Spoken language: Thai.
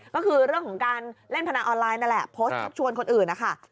ก็คือเรื่องของการเล่นพนันออนไลน์นั่นแหละโพสต์ชักชวนคนอื่นนะคะ